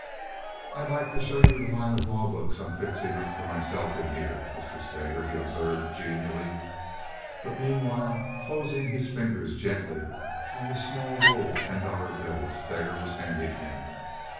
"I'd like to show you the line of law books I'm fixing up for myself in here, Mr. Steger," he observed, genially, but meanwhile closing his fingers gently on the small roll of ten dollar bills Steger was handing him.